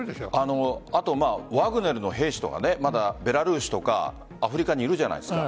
ワグネルの兵士とかベラルーシとかアフリカにいるじゃないですか。